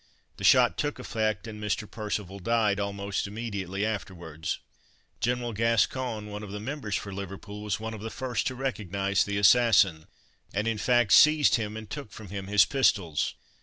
The shot took effect, and Mr. Percival died almost immediately afterwards. General Gascoigne, one of the members for Liverpool, was one of the first to recognize the assassin, and, in fact, seized him and took from him his pistols.